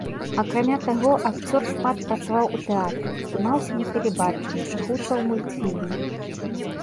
Акрамя таго, акцёр шмат працаваў у тэатры, здымаўся на тэлебачанні, агучваў мультфільмы.